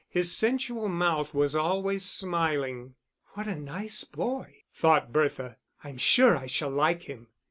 His sensual mouth was always smiling. "What a nice boy!" thought Bertha. "I'm sure I shall like him."